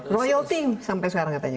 royalty sampai sekarang katanya